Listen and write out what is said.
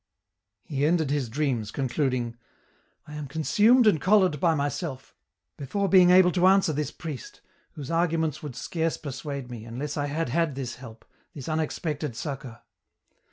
He ended his dreams concluding, " I am consumed and collared by myself, before being able to answer this priest, whose arguments would scarce persuade me, unless I had had this help, this unexpected succour.